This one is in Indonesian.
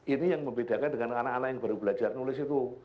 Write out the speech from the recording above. ini yang membedakan dengan anak anak yang baru belajar nulis itu